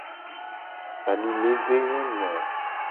Ali le ve nyonu a.